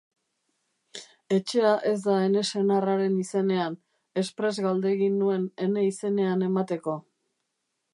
Etxea ez da ene senarraren izenean, espres galdegin nuen ene izenean emateko.